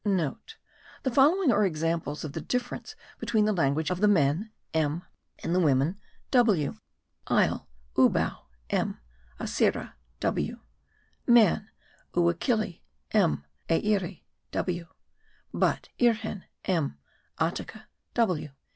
(* The following are examples of the difference between the language of the men (m), and the women (w); isle, oubao (m), acaera (w); man, ouekelli (m), eyeri (w); but, irhen (m), atica (w).)